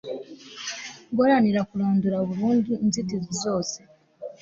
guharanira kurandura burundu inzitizi zose